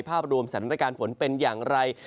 ภาพรวมสถานการณ์ฝนเป็นอย่างไร